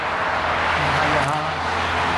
唔係啊